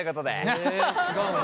へえ違うのか。